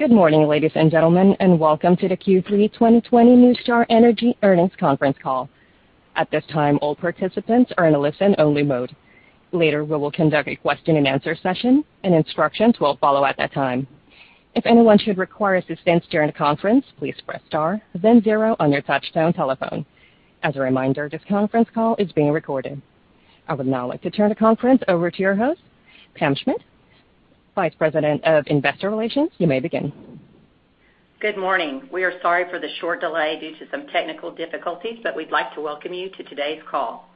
Good morning, ladies and gentlemen, and welcome to the Q3 2020 NuStar Energy Earnings Conference Call. At this time, all participants are in a listen-only mode. Later, we will conduct a question and answer session, and instructions will follow at that time. If anyone should require assistance during the conference, please press star then zero on your touch-tone telephone. As a reminder, this conference call is being recorded. I would now like to turn the conference over to your host, Pam Schmidt, Vice President of Investor Relations. You may begin. Good morning. We are sorry for the short delay due to some technical difficulties, but we'd like to welcome you to today's call.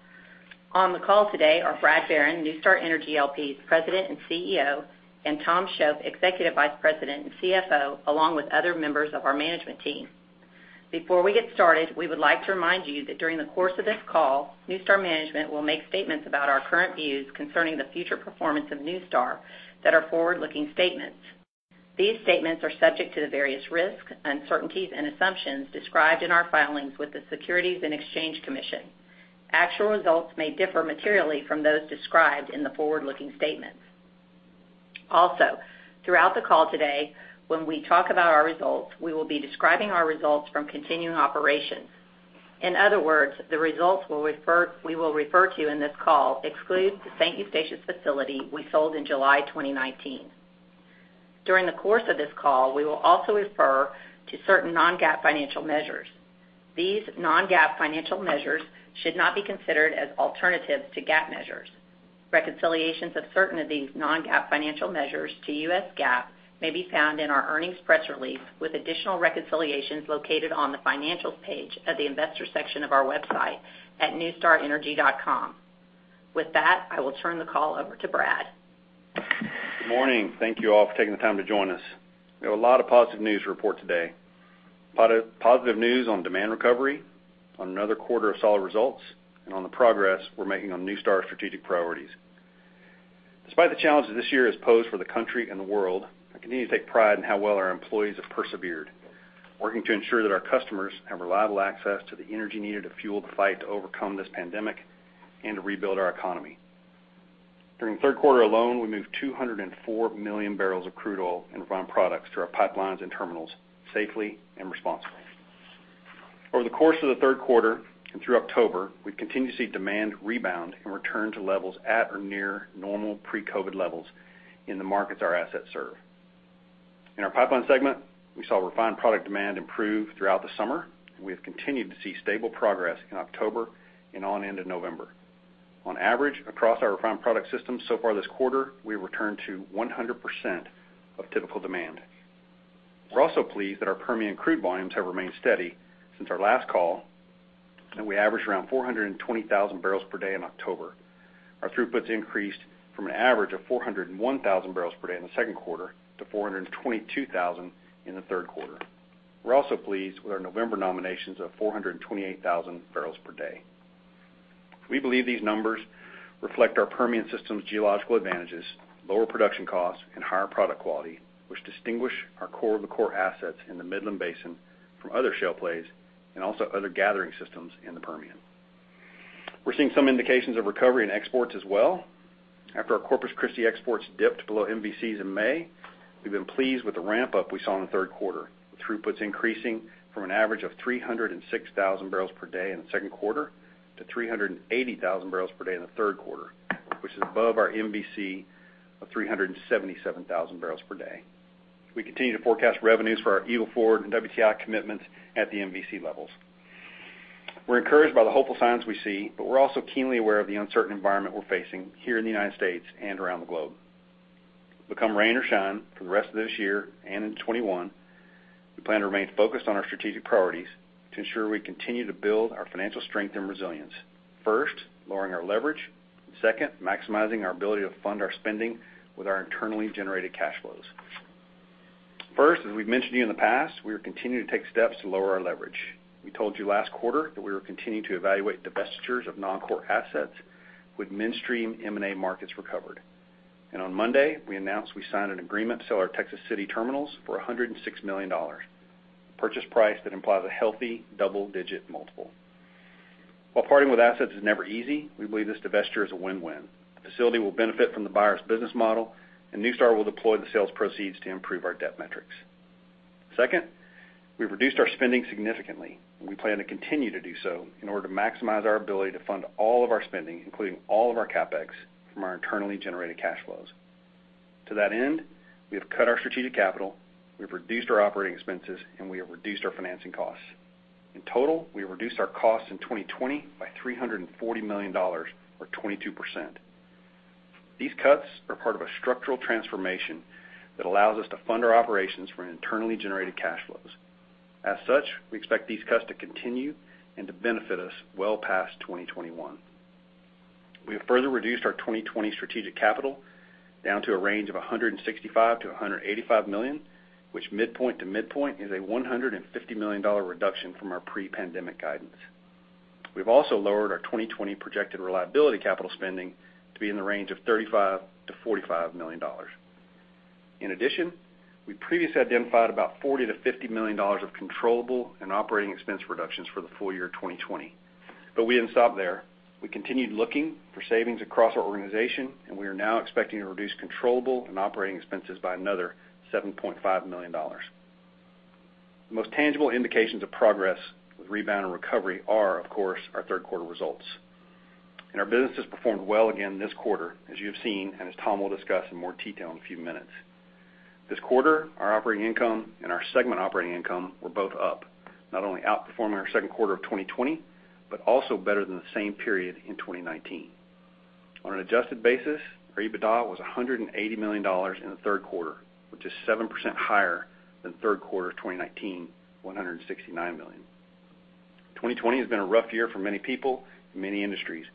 On the call today are Brad Barron, NuStar Energy L.P.'s President and CEO, and Tom Shoaf, Executive Vice President and CFO, along with other members of our management team. Before we get started, we would like to remind you that during the course of this call, NuStar management will make statements about our current views concerning the future performance of NuStar that are forward-looking statements. These statements are subject to the various risks, uncertainties, and assumptions described in our filings with the Securities and Exchange Commission. Actual results may differ materially from those described in the forward-looking statements. Also, throughout the call today, when we talk about our results, we will be describing our results from continuing operations. In other words, the results we will refer to in this call exclude the St. Eustatius facility we sold in July 2019. During the course of this call, we will also refer to certain non-GAAP financial measures. These non-GAAP financial measures should not be considered as alternatives to GAAP measures. Reconciliations of certain of these non-GAAP financial measures to US GAAP may be found in our earnings press release, with additional reconciliations located on the Financial page of the Investor section of our website at nustarenergy.com. With that, I will turn the call over to Brad. Good morning. Thank you all for taking the time to join us. We have a lot of positive news to report today. Positive news on demand recovery, on another quarter of solid results, and on the progress we're making on NuStar strategic priorities. Despite the challenges this year has posed for the country and the world, I continue to take pride in how well our employees have persevered, working to ensure that our customers have reliable access to the energy needed to fuel the fight to overcome this pandemic and to rebuild our economy. During the third quarter alone, we moved 204 million barrels of crude oil and refined products through our pipelines and terminals safely and responsibly. Over the course of the third quarter and through October, we continue to see demand rebound and return to levels at or near normal pre-COVID levels in the markets our assets serve. In our pipeline segment, we saw refined product demand improve throughout the summer. We have continued to see stable progress in October and on into November. On average, across our refined product systems so far this quarter, we returned to 100% of typical demand. We're also pleased that our Permian crude volumes have remained steady since our last call, and we averaged around 420,000 bbl per day in October. Our throughputs increased from an average of 401,000 bbl per day in the second quarter to 422,000 in the third quarter. We're also pleased with our November nominations of 428,000 bbl per day. We believe these numbers reflect our Permian system's geological advantages, lower production costs, and higher product quality, which distinguish our core of the core assets in the Midland Basin from other shale plays and also other gathering systems in the Permian. We're seeing some indications of recovery in exports as well. After our Corpus Christi exports dipped below MVCs in May, we've been pleased with the ramp-up we saw in the third quarter, with throughputs increasing from an average of 306,000 bbl per day in the second quarter to 380,000 bbl per day in the third quarter, which is above our MVC of 377,000 bbl per day. We continue to forecast revenues for our Eagle Ford and WTI commitments at the MVC levels. We're encouraged by the hopeful signs we see, we're also keenly aware of the uncertain environment we're facing here in the United States and around the globe. Come rain or shine for the rest of this year and in 2021, we plan to remain focused on our strategic priorities to ensure we continue to build our financial strength and resilience. First, lowering our leverage. Second, maximizing our ability to fund our spending with our internally generated cash flows. First, as we've mentioned to you in the past, we are continuing to take steps to lower our leverage. We told you last quarter that we were continuing to evaluate divestitures of non-core assets with midstream M&A markets recovered. On Monday, we announced we signed an agreement to sell our Texas City terminals for $106 million, a purchase price that implies a healthy double-digit multiple. While parting with assets is never easy, we believe this divestiture is a win-win. The facility will benefit from the buyer's business model, and NuStar will deploy the sales proceeds to improve our debt metrics. Second, we've reduced our spending significantly, and we plan to continue to do so in order to maximize our ability to fund all of our spending, including all of our CapEx, from our internally generated cash flows. To that end, we have cut our strategic capital, we've reduced our operating expenses, and we have reduced our financing costs. In total, we have reduced our costs in 2020 by $340 million or 22%. These cuts are part of a structural transformation that allows us to fund our operations from internally generated cash flows. As such, we expect these cuts to continue and to benefit us well past 2021. We have further reduced our 2020 strategic capital down to a range of $165 million-$185 million, which midpoint to midpoint is a $150 million reduction from our pre-pandemic guidance. We've also lowered our 2020 projected reliability capital spending to be in the range of $35-$45 million. In addition, we previously identified about $40-$50 million of controllable and Operating Expenses reductions for the full year 2020. We didn't stop there. We continued looking for savings across our organization, and we are now expecting to reduce controllable and Operating Expenses by another $7.5 million. The most tangible indications of progress with rebound and recovery are, of course, our third quarter results. Our business has performed well again this quarter, as you have seen, and as Tom will discuss in more detail in a few minutes. This quarter, our operating income and our segment operating income were both up, not only outperforming our second quarter of 2020, but also better than the same period in 2019. On an adjusted basis, our EBITDA was $180 million in the third quarter, which is 7% higher than third quarter 2019, $169 million. 2020 has been a rough year for many people, in many industries,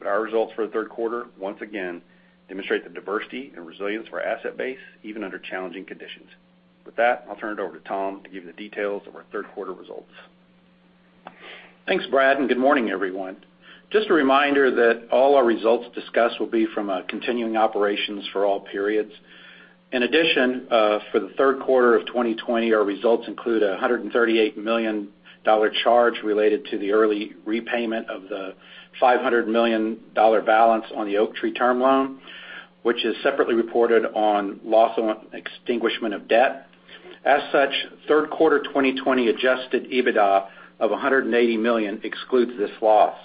but our results for the third quarter once again demonstrate the diversity and resilience of our asset base, even under challenging conditions. With that, I'll turn it over to Tom to give you the details of our third quarter results. Thanks, Brad, and good morning, everyone. Just a reminder that all our results discussed will be from a continuing operations for all periods. In addition, for the third quarter of 2020, our results include $138 million charge related to the early repayment of the $500 million balance on the Oaktree term loan, which is separately reported on loss on extinguishment of debt. As such, third quarter 2020 adjusted EBITDA of $180 million excludes this loss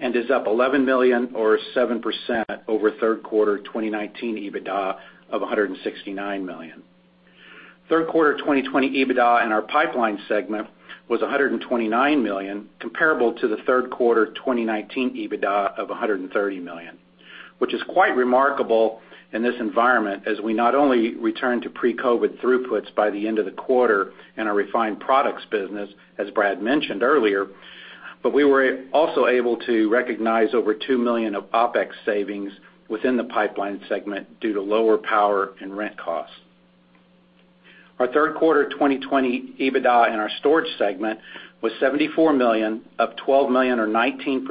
and is up $11 million or 7% over third quarter 2019 EBITDA of $169 million. Third quarter 2020 EBITDA in our pipeline segment was $129 million, comparable to the third quarter 2019 EBITDA of $130 million, which is quite remarkable in this environment as we not only return to pre-COVID throughputs by the end of the quarter in our refined products business, as Brad mentioned earlier, but we were also able to recognize over $2 million of OpEx savings within the pipeline segment due to lower power and rent costs. Our third quarter 2020 EBITDA in our storage segment was $74 million, up $12 million or 19%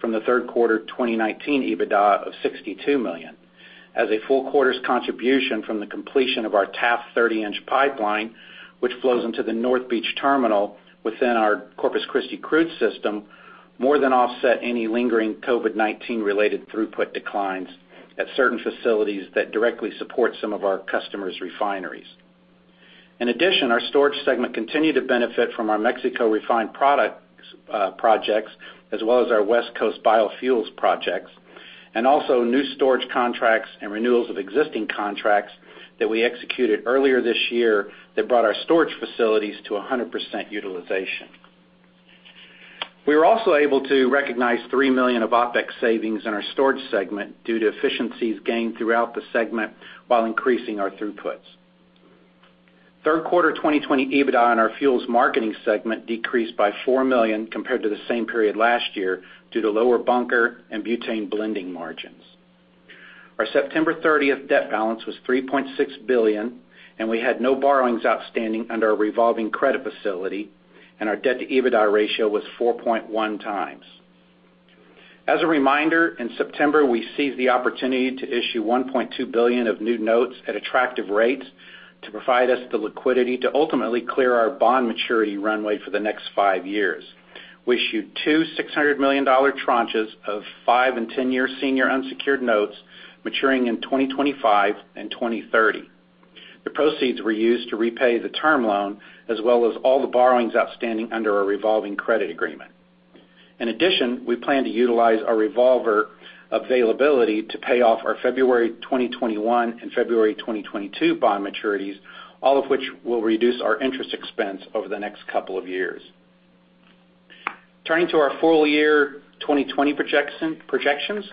from the third quarter 2019 EBITDA of $62 million. As a full quarter's contribution from the completion of our Taft 30-inch pipeline, which flows into the North Beach Terminal within our Corpus Christi crude system, more than offset any lingering COVID-19 related throughput declines at certain facilities that directly support some of our customers' refineries. In addition, our storage segment continued to benefit from our Mexico refined product projects as well as our West Coast biofuels projects, and also new storage contracts and renewals of existing contracts that we executed earlier this year that brought our storage facilities to 100% utilization. We were also able to recognize $3 million of OpEx savings in our storage segment due to efficiencies gained throughout the segment while increasing our throughputs. Third quarter 2020 EBITDA in our fuels marketing segment decreased by $4 million compared to the same period last year due to lower bunker and butane blending margins. Our September 30th debt balance was $3.6 billion, and we had no borrowings outstanding under our revolving credit facility, and our debt-to-EBITDA ratio was 4.1 times. As a reminder, in September, we seized the opportunity to issue $1.2 billion of new notes at attractive rates to provide us the liquidity to ultimately clear our bond maturity runway for the next five years. We issued two $600 million tranches of 5- and 10-year senior unsecured notes maturing in 2025 and 2030. The proceeds were used to repay the term loan as well as all the borrowings outstanding under our revolving credit agreement. In addition, we plan to utilize our revolver availability to pay off our February 2021 and February 2022 bond maturities, all of which will reduce our interest expense over the next couple of years. Turning to our full year 2020 projections,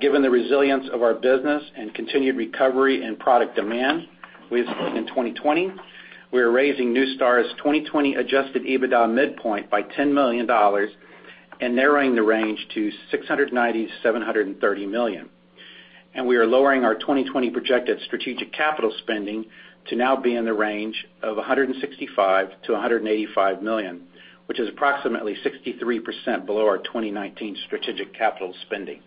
given the resilience of our business and continued recovery in product demand in 2020, we are raising NuStar's 2020 adjusted EBITDA midpoint by $10 million and narrowing the range to $690 million-$730 million. We are lowering our 2020 projected strategic capital spending to now be in the range of $165 million-$185 million, which is approximately 63% below our 2019 strategic capital spending.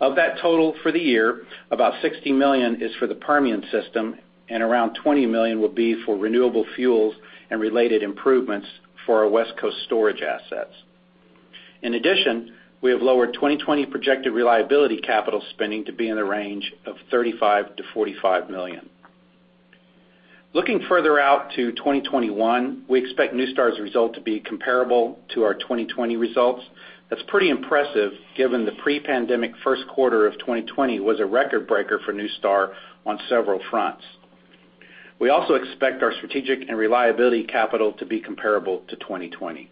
Of that total for the year, about $60 million is for the Permian system and around $20 million will be for renewable fuels and related improvements for our West Coast storage assets. In addition, we have lowered 2020 projected reliability capital spending to be in the range of $35 million-$45 million. Looking further out to 2021, we expect NuStar's result to be comparable to our 2020 results. That's pretty impressive given the pre-pandemic first quarter of 2020 was a record breaker for NuStar on several fronts. We also expect our strategic and reliability capital to be comparable to 2020.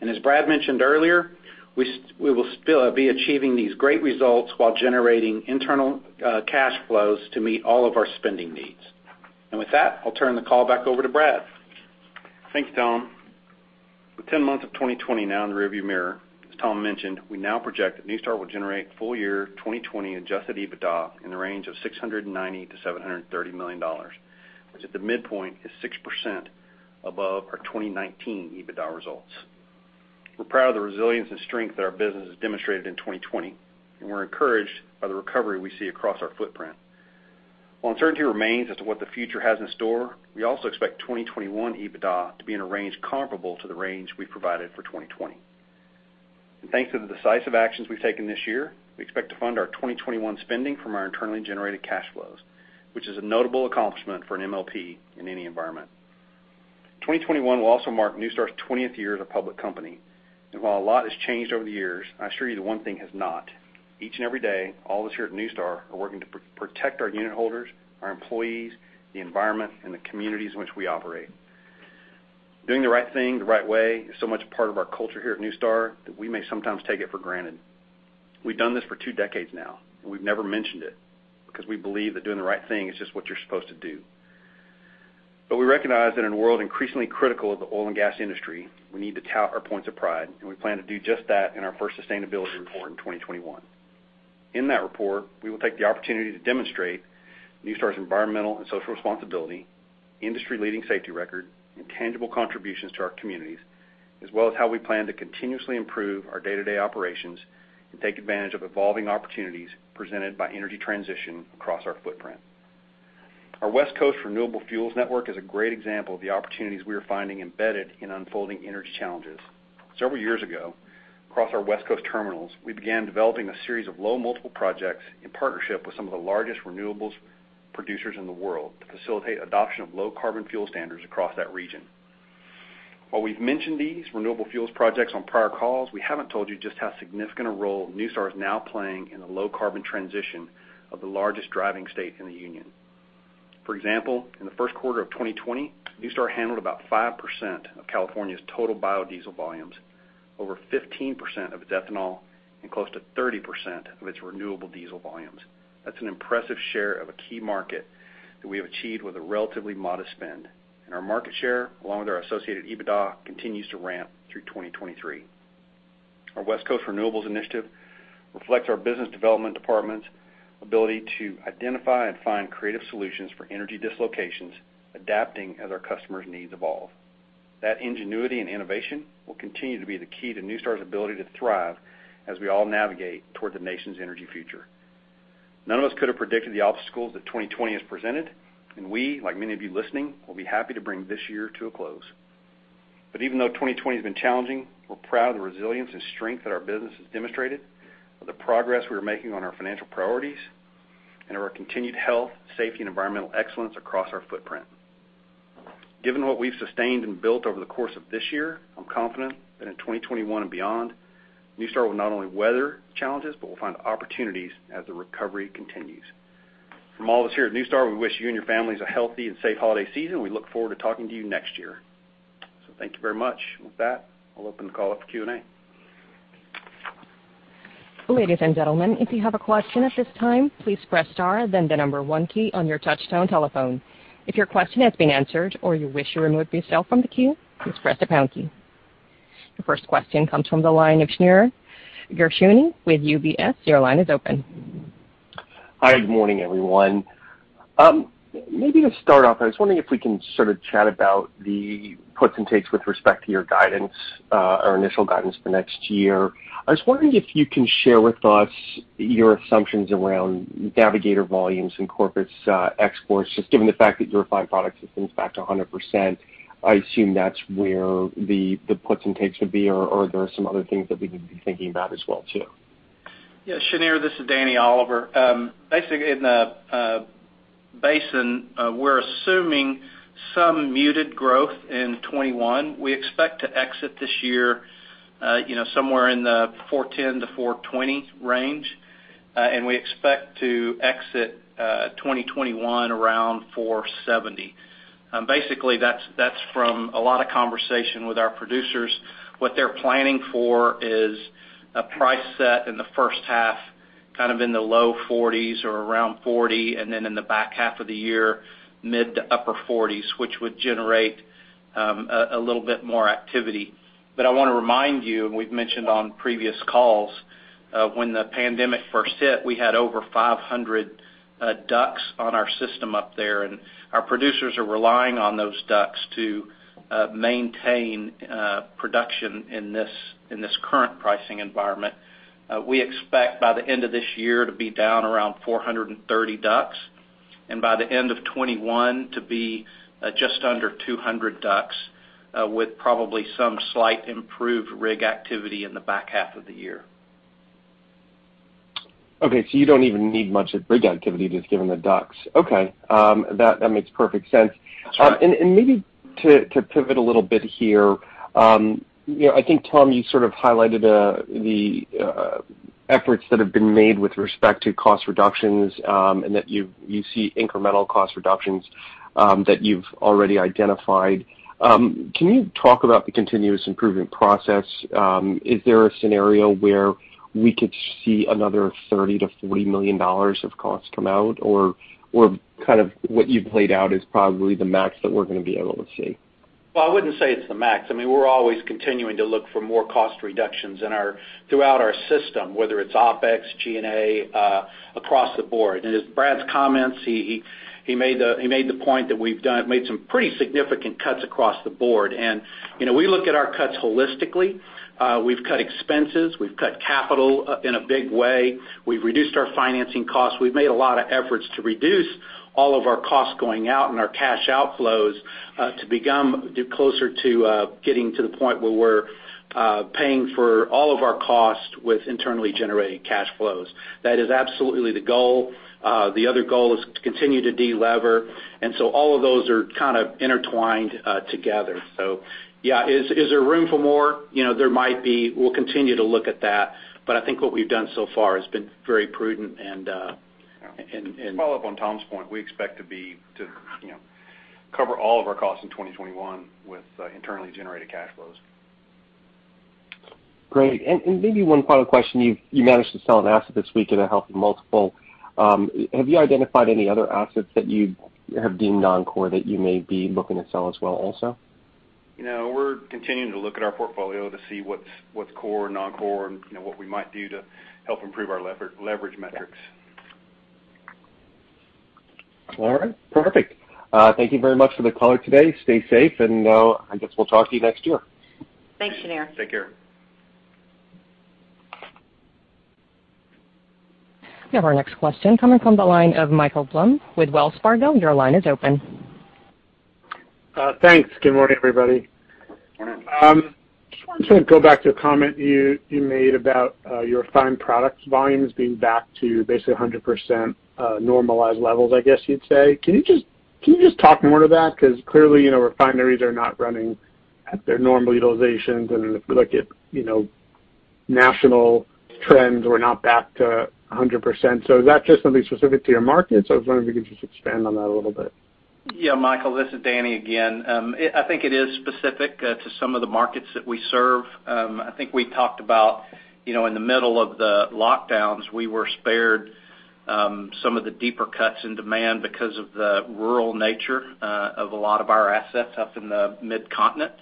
As Brad mentioned earlier, we will still be achieving these great results while generating internal cash flows to meet all of our spending needs. With that, I'll turn the call back over to Brad. Thank you, Tom. With 10 months of 2020 now in the rearview mirror, as Tom mentioned, we now project that NuStar will generate full year 2020 adjusted EBITDA in the range of $690 million-$730 million, which at the midpoint is 6% above our 2019 EBITDA results. We're proud of the resilience and strength that our business has demonstrated in 2020, and we're encouraged by the recovery we see across our footprint. While uncertainty remains as to what the future has in store, we also expect 2021 EBITDA to be in a range comparable to the range we've provided for 2020. Thanks to the decisive actions we've taken this year, we expect to fund our 2021 spending from our internally generated cash flows, which is a notable accomplishment for an MLP in any environment. 2021 will also mark NuStar's 20th year as a public company. While a lot has changed over the years, I assure you that one thing has not. Each and every day, all of us here at NuStar are working to protect our unit holders, our employees, the environment, and the communities in which we operate. Doing the right thing the right way is so much a part of our culture here at NuStar that we may sometimes take it for granted. We've done this for two decades now, we've never mentioned it because we believe that doing the right thing is just what you're supposed to do. We recognize that in a world increasingly critical of the oil and gas industry, we need to tout our points of pride, and we plan to do just that in our first sustainability report in 2021. In that report, we will take the opportunity to demonstrate NuStar's environmental and social responsibility, industry-leading safety record, and tangible contributions to our communities, as well as how we plan to continuously improve our day-to-day operations and take advantage of evolving opportunities presented by energy transition across our footprint. Our West Coast renewable fuels network is a great example of the opportunities we are finding embedded in unfolding energy challenges. Several years ago, across our West Coast terminals, we began developing a series of low-multiple projects in partnership with some of the largest renewables producers in the world to facilitate adoption of low-carbon fuel standards across that region. While we've mentioned these renewable fuels projects on prior calls, we haven't told you just how significant a role NuStar is now playing in the low-carbon transition of the largest driving state in the union. For example, in the first quarter of 2020, NuStar handled about 5% of California's total biodiesel volumes, over 15% of its ethanol, and close to 30% of its renewable diesel volumes. That's an impressive share of a key market that we have achieved with a relatively modest spend. Our market share, along with our associated EBITDA, continues to ramp through 2023. Our West Coast renewables initiative reflects our business development department's ability to identify and find creative solutions for energy dislocations, adapting as our customers' needs evolve. That ingenuity and innovation will continue to be the key to NuStar's ability to thrive as we all navigate toward the nation's energy future. None of us could have predicted the obstacles that 2020 has presented, and we, like many of you listening, will be happy to bring this year to a close. Even though 2020 has been challenging, we're proud of the resilience and strength that our business has demonstrated, of the progress we are making on our financial priorities, and of our continued health, safety, and environmental excellence across our footprint. Given what we've sustained and built over the course of this year, I'm confident that in 2021 and beyond, NuStar will not only weather challenges, but we'll find opportunities as the recovery continues. From all of us here at NuStar, we wish you and your families a healthy and safe holiday season. We look forward to talking to you next year. Thank you very much. With that, I'll open the call up for Q&A. Ladies and gentlemen, if you have a question at this time, please press star then the number 1 key on your touchtone telephone. If your question has been answered or you wish to remove yourself from the queue, please press the pound key. The first question comes from the line of Shneur Gershuny with UBS. Your line is open. Hi, good morning, everyone. Maybe to start off, I was wondering if we can sort of chat about the puts and takes with respect to your guidance, or initial guidance for next year. I was wondering if you can share with us your assumptions around Navigator volumes and corporate exports. Just given the fact that your refined products is in fact 100%, I assume that's where the puts and takes would be or are there some other things that we need to be thinking about as well too? Yeah, Shneur, this is Danny Oliver. Basically, in the basin, we're assuming some muted growth in 2021. We expect to exit this year somewhere in the 410 to 420 range. We expect to exit 2021 around 470. Basically, that's from a lot of conversation with our producers. What they're planning for is a price set in the first half, kind of in the low $40s or around $40. Then in the back half of the year, mid to upper $40s, which would generate a little bit more activity. I want to remind you, and we've mentioned on previous calls, when the pandemic first hit, we had over 500 DUCs on our system up there. Our producers are relying on those DUCs to maintain production in this current pricing environment. We expect by the end of this year to be down around 430 DUCs, and by the end of 2021 to be just under 200 DUCs, with probably some slight improved rig activity in the back half of the year. Okay, you don't even need much of rig activity, just given the DUCs. Okay. That makes perfect sense. Sure. Maybe to pivot a little bit here, I think, Tom, you sort of highlighted the efforts that have been made with respect to cost reductions, and that you see incremental cost reductions that you've already identified. Can you talk about the continuous improvement process? Is there a scenario where we could see another $30 million-$40 million of costs come out, or kind of what you've laid out is probably the max that we're going to be able to see? Well, I wouldn't say it's the max. I mean, we're always continuing to look for more cost reductions throughout our system, whether it's OpEx, G&A. Across the board. As Brad's comments, he made the point that we've made some pretty significant cuts across the board. We look at our cuts holistically. We've cut expenses, we've cut capital in a big way. We've reduced our financing costs. We've made a lot of efforts to reduce all of our costs going out and our cash outflows to become closer to getting to the point where we're paying for all of our costs with internally generated cash flows. That is absolutely the goal. The other goal is to continue to de-lever. All of those are kind of intertwined together. Yeah. Is there room for more? There might be. We'll continue to look at that, I think what we've done so far has been very prudent. To follow up on Tom's point, we expect to cover all of our costs in 2021 with internally generated cash flows. Great. Maybe one final question. You managed to sell an asset this week at a healthy multiple. Have you identified any other assets that you have deemed non-core that you may be looking to sell as well also? We're continuing to look at our portfolio to see what's core and non-core and what we might do to help improve our leverage metrics. All right, perfect. Thank you very much for the call today. Stay safe. I guess we'll talk to you next year. Thanks, Shneur. Take care. We have our next question coming from the line of Michael Blum with Wells Fargo. Your line is open. Thanks. Good morning, everybody. Morning. Just wanted to go back to a comment you made about your refined products volumes being back to basically 100% normalized levels, I guess you'd say. Can you just talk more to that? Because clearly, refineries are not running at their normal utilizations, and if we look at national trends, we're not back to 100%. Is that just something specific to your markets? I was wondering if you could just expand on that a little bit. Yeah, Michael, this is Danny again. I think it is specific to some of the markets that we serve. I think we talked about in the middle of the lockdowns, we were spared some of the deeper cuts in demand because of the rural nature of a lot of our assets up in the mid-continent.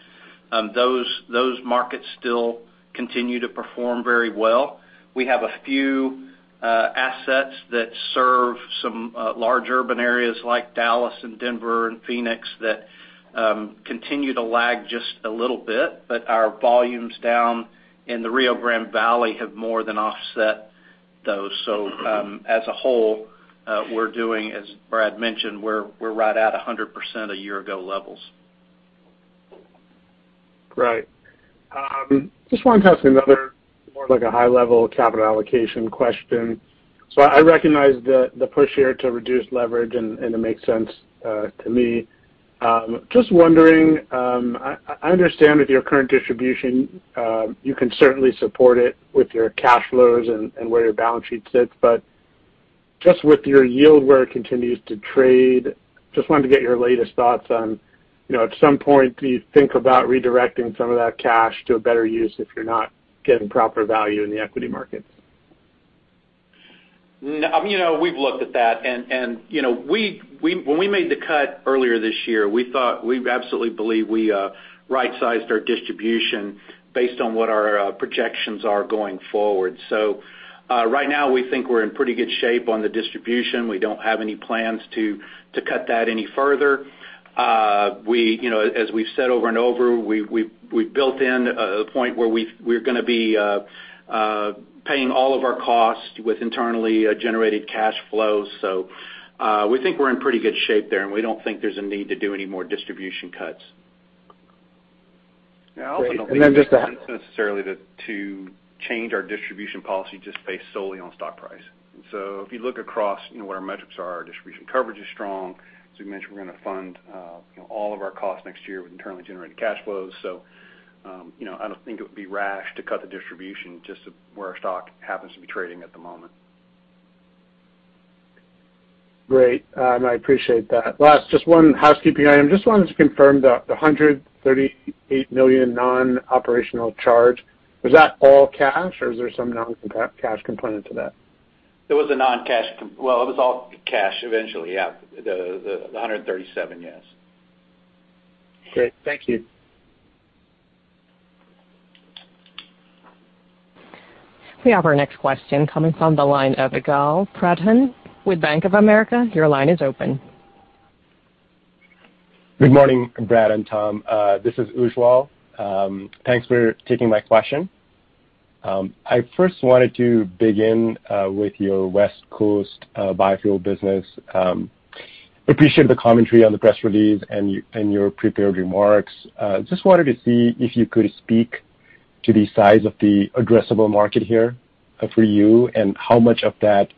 Those markets still continue to perform very well. We have a few assets that serve some large urban areas like Dallas and Denver and Phoenix that continue to lag just a little bit. Our volumes down in the Rio Grande Valley have more than offset those. As a whole, we're doing, as Brad mentioned, we're right at 100% a year ago levels. Right. Just one last thing, another more of a high-level capital allocation question. I recognize the push here to reduce leverage, and it makes sense to me. Just wondering, I understand with your current distribution you can certainly support it with your cash flows and where your balance sheet sits. Just with your yield where it continues to trade, just wanted to get your latest thoughts on, at some point, do you think about redirecting some of that cash to a better use if you're not getting proper value in the equity market? We've looked at that, and when we made the cut earlier this year, we absolutely believe we right-sized our distribution based on what our projections are going forward. Right now, we think we're in pretty good shape on the distribution. We don't have any plans to cut that any further. As we've said over and over, we've built in a point where we're going to be paying all of our costs with internally generated cash flows. We think we're in pretty good shape there, and we don't think there's a need to do any more distribution cuts. Great. I also don't think it makes sense necessarily to change our distribution policy just based solely on stock price. If you look across what our metrics are, our distribution coverage is strong. As we mentioned, we're going to fund all of our costs next year with internally generated cash flows. I don't think it would be rash to cut the distribution just where our stock happens to be trading at the moment. Great, I appreciate that. Last, just one housekeeping item. Just wanted to confirm the $138 million non-operational charge. Was that all cash, or is there some non-cash component to that? Well, it was all cash eventually. Yeah. The $137, yes. Great. Thank you. We have our next question coming from the line of Ujjwal Pradhan with Bank of America. Your line is open. Good morning, Brad and Tom. This is Ujjwal. Thanks for taking my question. I first wanted to begin with your West Coast biofuel business. Appreciate the commentary on the press release and your prepared remarks. Wanted to see if you could speak to the size of the addressable market here for you, and how much of that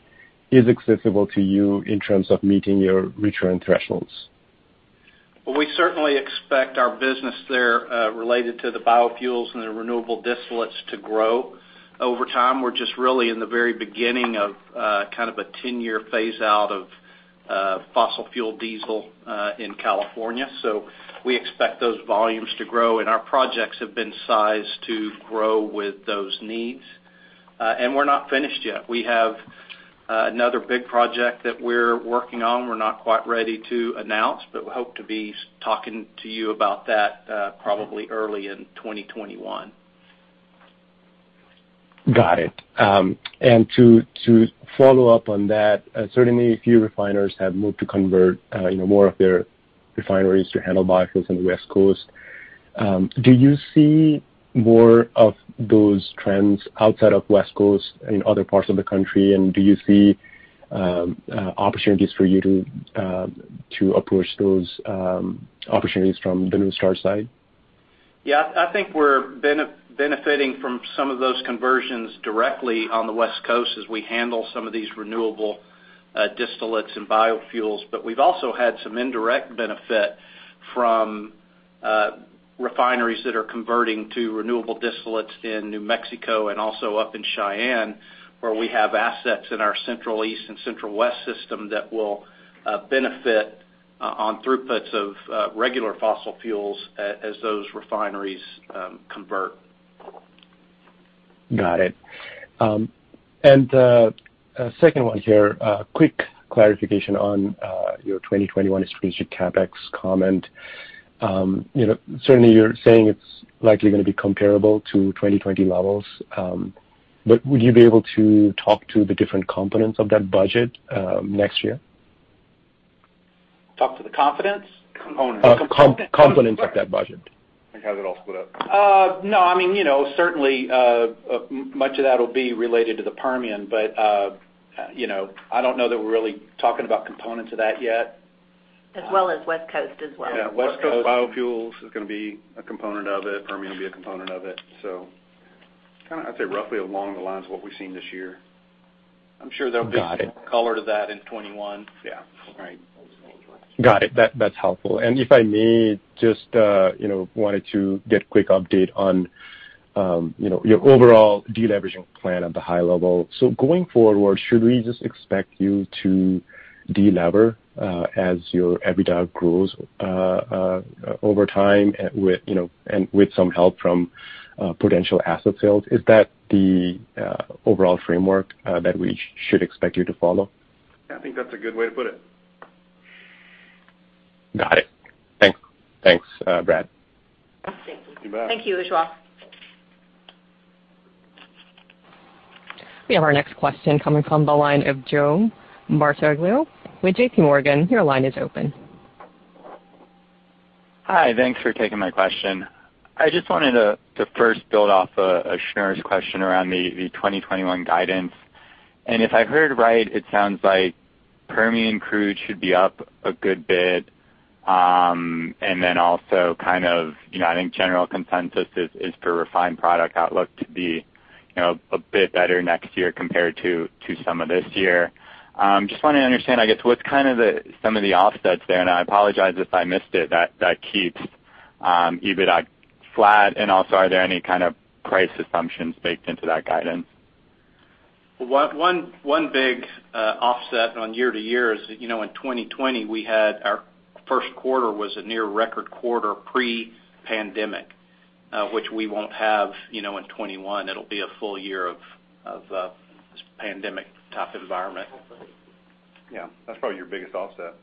is accessible to you in terms of meeting your return thresholds? We certainly expect our business there related to the biofuels and the renewable distillates to grow over time. We're just really in the very beginning of kind of a 10-year phase out of fossil fuel diesel in California. We expect those volumes to grow, and our projects have been sized to grow with those needs. We're not finished yet. We have another big project that we're working on. We're not quite ready to announce, but we hope to be talking to you about that probably early in 2021. Got it. To follow up on that, certainly a few refiners have moved to convert more of their refineries to handle biofuels on the West Coast. Do you see more of those trends outside of West Coast, in other parts of the country, and do you see opportunities for you to approach those opportunities from the NuStar side? Yeah. I think we're benefiting from some of those conversions directly on the West Coast as we handle some of these renewable distillates and biofuels. We've also had some indirect benefit from refineries that are converting to renewable distillates in New Mexico and also up in Cheyenne, where we have assets in our Central East and Central West system that will benefit on throughputs of regular fossil fuels as those refineries convert. Got it. A second one here, quick clarification on your 2021 strategic CapEx comment. Certainly, you're saying it's likely going to be comparable to 2020 levels. Would you be able to talk to the different components of that budget next year? Talk to the confidence? Components. Components of that budget. Like how's it all split up? No, certainly much of that will be related to the Permian, but I don't know that we're really talking about components of that yet. As well as West Coast as well. Yeah. West Coast biofuels is going to be a component of it. Permian will be a component of it. I'd say roughly along the lines of what we've seen this year. Got it. Color to that in 2021. Yeah. Right. Got it. That's helpful. If I may, just wanted to get quick update on your overall de-leveraging plan at the high level. Going forward, should we just expect you to de-lever as your EBITDA grows over time, and with some help from potential asset sales? Is that the overall framework that we should expect you to follow? I think that's a good way to put it. Got it. Thanks, Brad. You bet. Thank you, Ujjwal. We have our next question coming from the line of Joe Bartaglio with JPMorgan. Your line is open. Hi. Thanks for taking my question. I just wanted to first build off of Shneur's question around the 2021 guidance. If I heard right, it sounds like Permian crude should be up a good bit. I think general consensus is for refined product outlook to be a bit better next year compared to some of this year. Just wanted to understand, I guess, what's some of the offsets there? I apologize if I missed it, that keeps EBITDA flat. Also, are there any kind of price assumptions baked into that guidance? One big offset on year-to-year is, in 2020 our first quarter was a near record quarter pre-pandemic, which we won't have in 2021. It'll be a full year of this pandemic-type environment. Yeah. That's probably your biggest offset.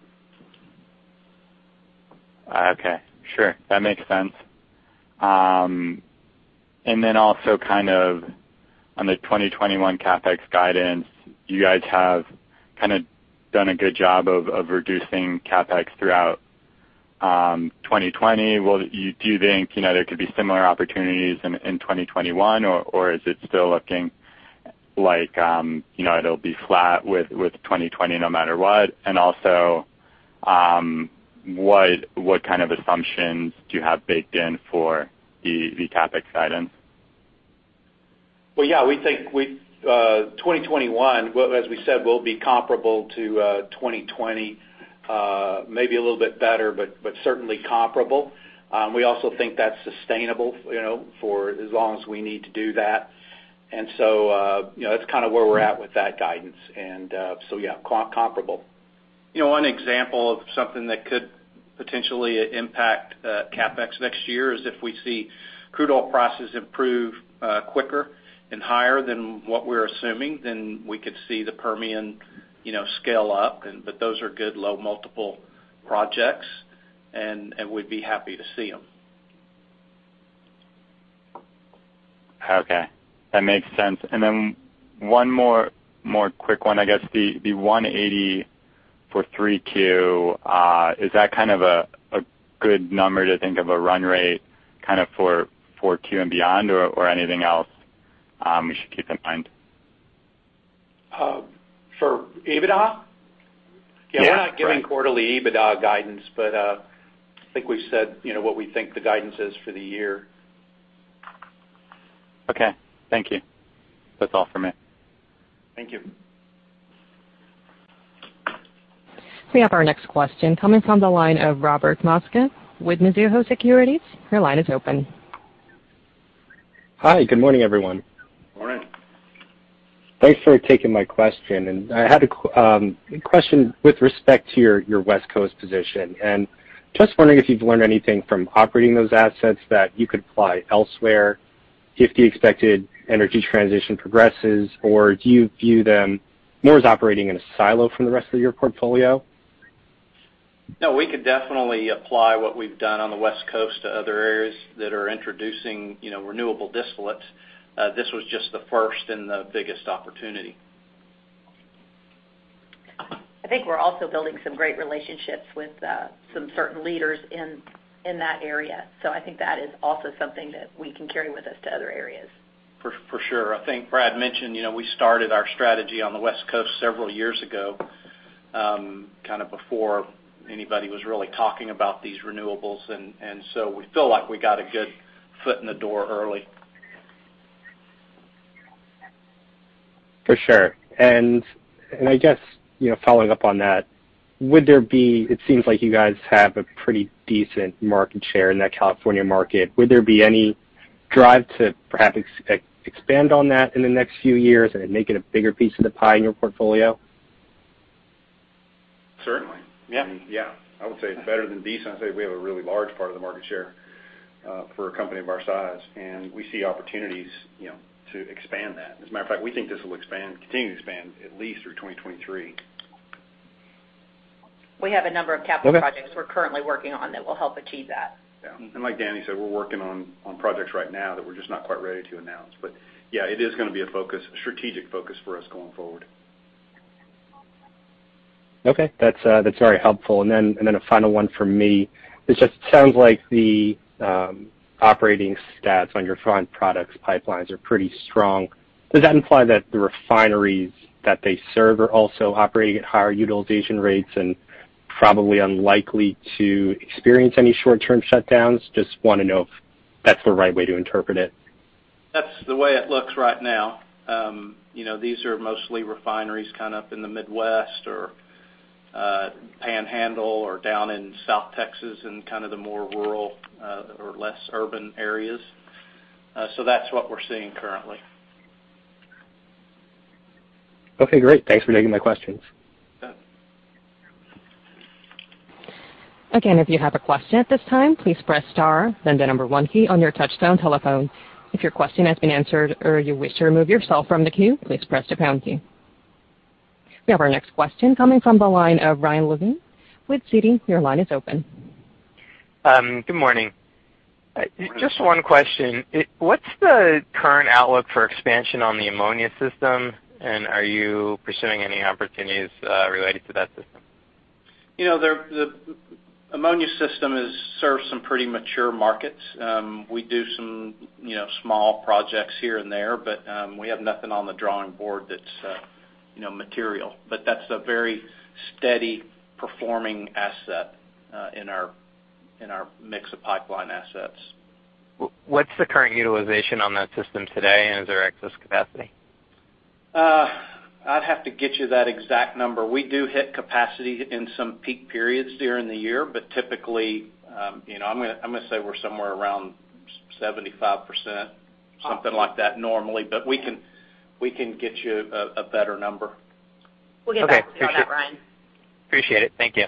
Okay. Sure. That makes sense. Then also on the 2021 CapEx guidance, you guys have done a good job of reducing CapEx throughout 2020. Do you think there could be similar opportunities in 2021, or is it still looking like it'll be flat with 2020 no matter what? Also, what kind of assumptions do you have baked in for the CapEx guidance? Well, yeah, we think 2021, as we said, will be comparable to 2020. Maybe a little bit better, but certainly comparable. We also think that's sustainable for as long as we need to do that. That's kind of where we're at with that guidance. Yeah, comparable. One example of something that could potentially impact CapEx next year is if we see crude oil prices improve quicker and higher than what we're assuming, then we could see the Permian scale up. Those are good low multiple projects, and we'd be happy to see them. Okay. That makes sense. One more quick one. I guess the $180 for 3Q, is that kind of a good number to think of a run rate for Q and beyond, or anything else we should keep in mind? For EBITDA? Yeah. We're not giving quarterly EBITDA guidance, but I think we've said what we think the guidance is for the year. Okay. Thank you. That's all from me. Thank you. We have our next question coming from the line of Robert Moskowitz with Mizuho Securities. Your line is open. Hi. Good morning, everyone. Morning. Thanks for taking my question. I had a question with respect to your West Coast position. Just wondering if you've learned anything from operating those assets that you could apply elsewhere if the expected energy transition progresses, or do you view them more as operating in a silo from the rest of your portfolio? No, we could definitely apply what we've done on the West Coast to other areas that are introducing renewable distillates. This was just the first and the biggest opportunity. I think we're also building some great relationships with some certain leaders in that area. I think that is also something that we can carry with us to other areas. For sure. I think Brad mentioned, we started our strategy on the West Coast several years ago, kind of before anybody was really talking about these renewables. We feel like we got a good foot in the door early. For sure. I guess, following up on that, it seems like you guys have a pretty decent market share in that California market. Would there be any drive to perhaps expand on that in the next few years and make it a bigger piece of the pie in your portfolio? Certainly. Yeah? Yeah. I would say it's better than decent. I'd say we have a really large part of the market share, for a company of our size. We see opportunities to expand that. As a matter of fact, we think this will continue to expand at least through 2023. We have a number of capital projects we're currently working on that will help achieve that. Yeah. Like Danny said, we're working on projects right now that we're just not quite ready to announce. Yeah, it is going to be a strategic focus for us going forward. Okay. That's very helpful. A final one from me. It just sounds like the operating stats on your front products pipelines are pretty strong. Does that imply that the refineries that they serve are also operating at higher utilization rates and probably unlikely to experience any short-term shutdowns? Just want to know if that's the right way to interpret it. That's the way it looks right now. These are mostly refineries kind of in the Midwest or Panhandle or down in South Texas and kind of the more rural or less urban areas. That's what we're seeing currently. Okay, great. Thanks for taking my questions. Yeah. We have our next question coming from the line of Ryan Levine with Citi. Your line is open. Good morning. Just one question. What's the current outlook for expansion on the ammonia system? Are you pursuing any opportunities related to that system? The ammonia system serves some pretty mature markets. We do some small projects here and there, but we have nothing on the drawing board that's material. That's a very steady-performing asset in our mix of pipeline assets. What's the current utilization on that system today, and is there excess capacity? I'd have to get you that exact number. We do hit capacity in some peak periods during the year, but typically, I'm going to say we're somewhere around 75%, something like that normally. We can get you a better number. We'll get back to you on that, Ryan. Appreciate it. Thank you.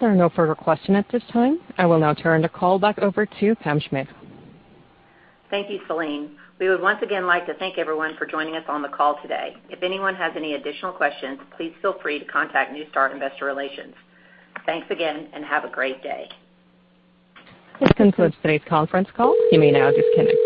There are no further questions at this time. I will now turn the call back over to Pam Schmidt. Thank you, Celine. We would once again like to thank everyone for joining us on the call today. If anyone has any additional questions, please feel free to contact NuStar Investor Relations. Thanks again. Have a great day. This concludes today's conference call. You may now disconnect.